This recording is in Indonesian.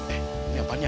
eh ini apaan ya